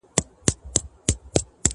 زه کولای سم ليک ولولم!.